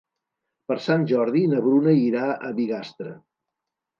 Per Sant Jordi na Bruna irà a Bigastre.